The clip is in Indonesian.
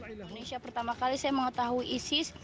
indonesia pertama kali saya mengetahui isis